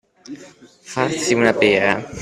Farsi una pera.